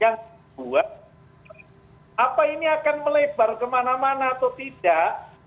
yang kedua apa ini akan melebar kemana mana atau tidak